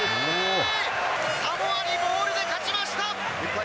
サモアにモールで勝ちました。